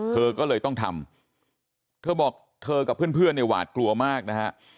เธอก็เลยต้องทำเธอบอกเธอกับเพื่อนเนี่ยหวาดกลัวมากนะฮะ